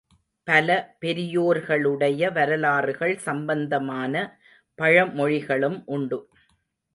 பல பெரியோர்களுடைய வரலாறுகள் சம்பந்தமான பழமொழிகளும் உண்டு.